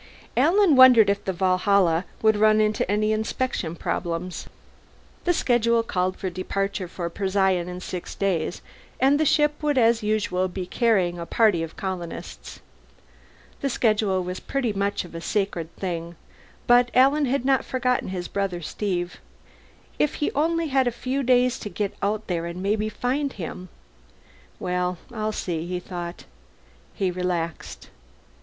Alan wondered if the Valhalla would run into any inspection problems. The schedule called for departure for Procyon in six days, and the ship would as usual be carrying a party of colonists. The schedule was pretty much of a sacred thing. But Alan had not forgotten his brother Steve. If he only had a few days to get out there and maybe find him Well, I'll see, he thought. He relaxed.